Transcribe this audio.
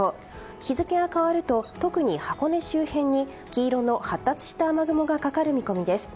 日付が変わると、特に箱根周辺に黄色の発達した雨雲がかかる見込みです。